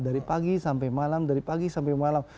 dari pagi sampai malam dari pagi sampai malam